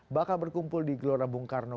bakal berkumpul di gelora bungkartu